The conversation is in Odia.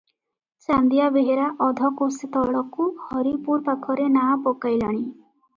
ଚାନ୍ଦିଆ ବେହେରା ଅଧକୋଶେ ତଳକୁ ହରିପୁର ପାଖରେ ନାଆ ପକାଇଲାଣି ।